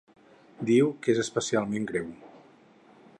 Diu que és ‘especialment greu’.